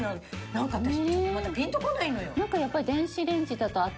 なんか私ちょっとまだピンとこないのよ。